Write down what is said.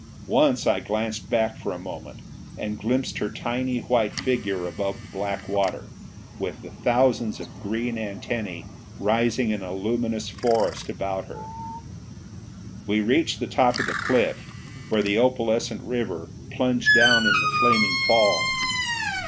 Once I glanced back for a moment, and glimpsed her tiny white figure above the black water, with the thousands of green antennae rising in a luminous forest about her. We reached the top of the cliff, where the opalescent river plunged down in the flaming fall.